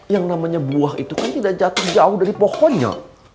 yang namanya buah itu kan tidak jatuh jauh dari pohonnya